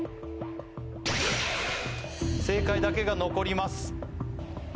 正解だけが残ります